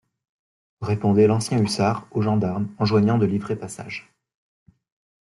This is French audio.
Répondait l'ancien hussard au gendarme enjoignant de livrer passage.